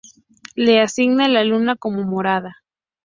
Le asigna la luna como morada.